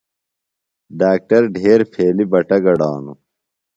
ڈاکٹر ڈھیر پھیلیۡ بٹہ گڈانوۡ۔